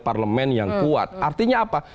parlemen yang kuat artinya apa